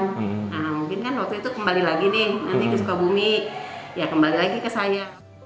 nah mungkin kan waktu itu kembali lagi nih nanti ke sukabumi ya kembali lagi ke saya